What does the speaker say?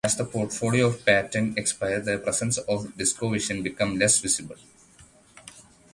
As the portfolio of patent expires, the presence of DiscoVision become less visible.